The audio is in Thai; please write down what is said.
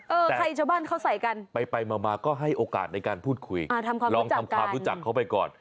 เออใครอีชบ้านเค้าใส่กันไปมาก็ให้โอกาสในการพูดคุยอ่าทำความรู้จักกันลองทำความรู้จักเค้าไปก่อน